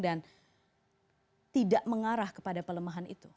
dan tidak mengarah kepada pelemahan itu